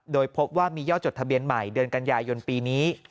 โดยพบว่ามียอดจดทะเบียนใหม่เดือนกันยายนปีนี้